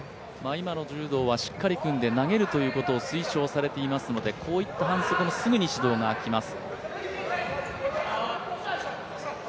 今の柔道はしっかり組んで投げると言うことを推奨されていますのでこういった反則もすぐに指導が来ます。